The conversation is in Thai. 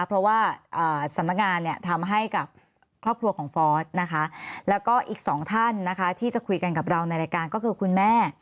เพราะว่าสำนักงานเนี่ยทำให้กับครอบครัวของฟอสนะคะแล้วก็อีกสองท่านนะคะที่จะคุยกันกับเราในรายการก็คือคุณแม่